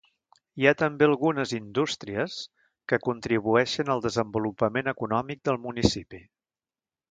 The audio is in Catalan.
Hi ha també algunes indústries, que contribueixen al desenvolupament econòmic del municipi.